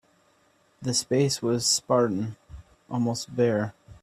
The space was spartan, almost bare.